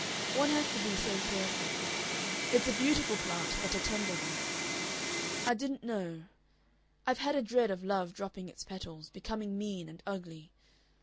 One has to be so careful.... It's a beautiful plant, but a tender one.... I didn't know. I've a dread of love dropping its petals, becoming mean and ugly.